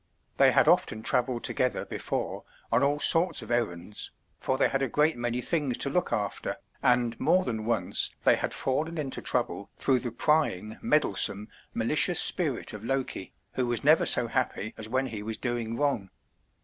They had often travelled together before on all sorts of errands, for they had a great many things to look after, and more than once they had fallen into trouble through the prying, meddlesome, malicious spirit of Loke, who was never so happy as when he was doing wrong.